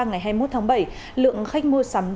ngày hai mươi một tháng bảy lượng khách mua sắm đã giảm nhẹ